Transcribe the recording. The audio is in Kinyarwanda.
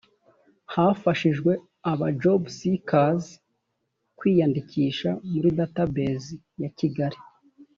hafashijwe aba jobseekers kwiyandikisha muri database ya kigali